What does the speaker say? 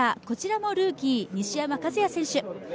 こちらもルーキー・西山和弥選手。